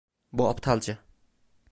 Bu aptalca.